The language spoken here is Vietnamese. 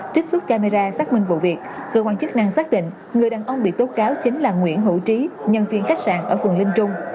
trích xuất camera xác minh vụ việc cơ quan chức năng xác định người đàn ông bị tố cáo chính là nguyễn hữu trí nhân viên khách sạn ở phường linh trung